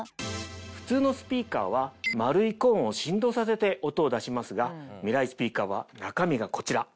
普通のスピーカーは丸いコーンを振動させて音を出しますがミライスピーカーは中身がこちら。